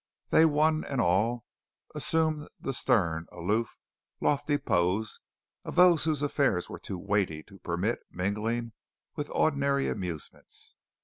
They one and all assumed the stern, aloof, lofty pose of those whose affairs were too weighty to permit mingling with ordinary amusements.